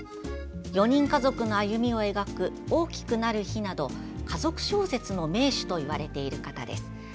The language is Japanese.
４人家族の歩みを描く「大きくなる日」など家族小説の名手といわれている方です。